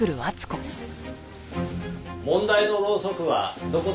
問題のろうそくはどこでしょう？